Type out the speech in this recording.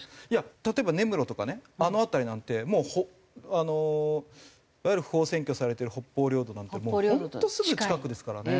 例えば根室とかねあの辺りなんてもういわゆる不法占拠されてる北方領土なんてもう本当すぐ近くですからね。